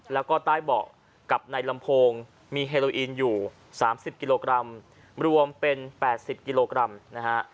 แล้วก็ใต้เบาะกับในลำโพงมีเฮโลอีนอยู่๓๐กิโลกรัมรวมเป็น๘๐กิโลกรัมนะฮะ